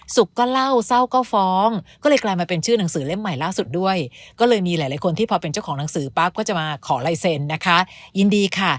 สุขก็เล่าเศร้าก็ฟ้องก็เลยกลายมาเป็นชื่อหนังสือเล่มใหม่ล่าสุดด้วยก็เลยมีหลายคนที่พอเป็นเจ้าของหนังสือปั๊บก็จะมาขอลายเซ็นต์นะคะยินดีค่ะ